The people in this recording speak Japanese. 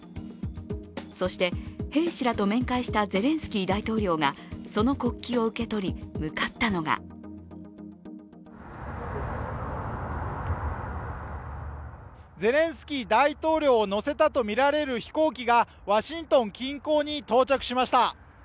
そして、兵士らと面会したゼレンスキー大統領がその国旗を受け取り向かったのがゼレンスキー大統領を乗せたとみられる飛行機がワシントン近郊に到着しました。